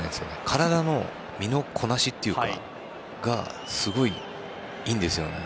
体の身のこなしっていうかがすごい、いいんですよね。